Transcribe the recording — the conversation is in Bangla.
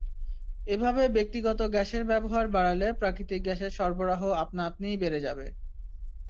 এভাবে ব্যক্তিগত গ্যাসের ব্যবহার বাড়ালে প্রাকৃতিক গ্যাসের সরবরাহ আপনাআপনিই বেড়ে যাবে।